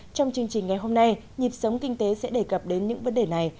trong chương trình ngày hôm nay nhịp sống kinh tế sẽ đề cập đến những vấn đề này